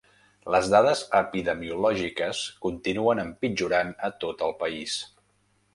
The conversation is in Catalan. Les dades epidemiològiques continuen empitjorant a tot el país.